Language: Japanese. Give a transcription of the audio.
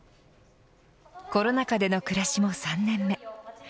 コロナ禍での暮らしも３年目。